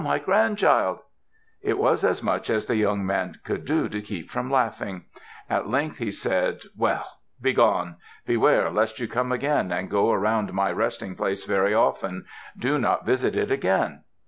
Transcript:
My grandchild!" It was as much as the young man could do to keep from laughing. At length he said, "Well! Begone! Beware lest you come again and go around my resting place very often! Do not visit it again!"